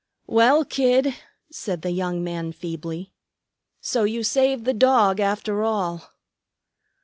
"Well, Kid," said the young man feebly, "so you saved the dog, after all."